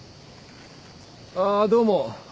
あっどうも。